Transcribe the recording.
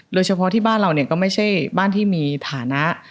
โดยเฉพาะที่บ้านเราเนี่ยก็ไม่ใช่บ้านที่มีฐานะ